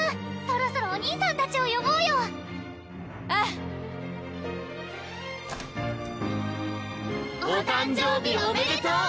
そろそろお兄さんたちをよぼうよああお誕生日おめでとう！